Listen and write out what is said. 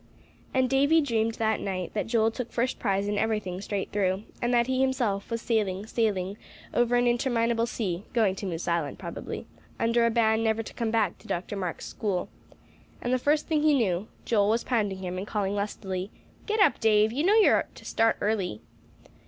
And Davie dreamed that night that Joel took first prize in everything straight through; and that he himself was sailing, sailing, over an interminable sea (going to Moose Island probably), under a ban never to come back to Dr. Marks' school. And the first thing he knew, Joel was pounding him and calling lustily, "Get up, Dave; you know you are to start early."